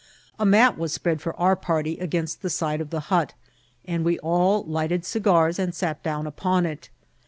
A mat was s{ff ead for our party against the side of the hut, and we all lighted cigars and sat down upon it.